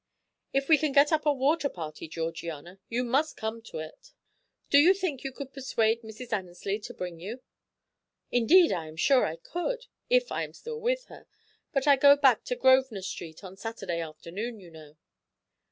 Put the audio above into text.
If we can get up a water party, Georgiana, you must come to it. Do you think you could persuade Mrs. Annesley to bring you?" "Indeed I am sure I could, if I am still with her. But I go back to Grosvenor Street on Saturday afternoon, you know."